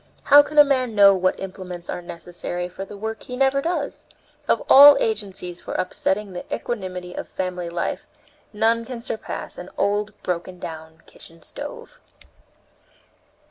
How can a man know what implements are necessary for the work he never does? Of all agencies for upsetting the equanimity of family life, none can surpass an old, broken down kitchen stove!"